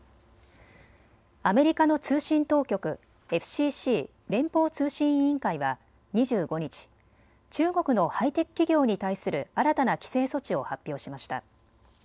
アメリカの通信当局、ＦＣＣ・連邦通信委員会は２５日、中国のハイテク企業に対する新たな規制措置を発表しました。